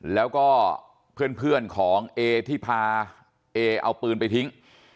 แล้วก็เพื่อนของเอที่พาเอเอาปืนไปทิ้ง